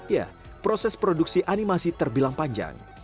ya proses produksi animasi terbilang panjang